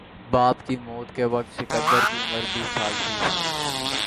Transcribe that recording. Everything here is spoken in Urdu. باپ کی موت کے وقت سکندر کی عمر بیس سال تھی